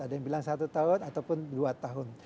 ada yang bilang satu tahun ataupun dua tahun